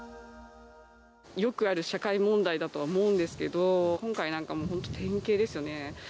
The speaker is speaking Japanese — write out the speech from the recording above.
よくある社会問題だとは思うんですけど、今回なんか本当に典型ですよね。